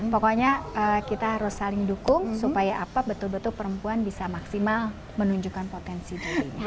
pokoknya kita harus saling dukung supaya apa betul betul perempuan bisa maksimal menunjukkan potensi dirinya